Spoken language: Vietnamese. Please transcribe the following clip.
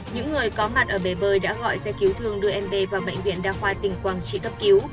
những người có mặt ở bể bơi đã gọi xe cứu thương đưa mb vào bệnh viện đa khoa tỉnh quảng trị cấp cứu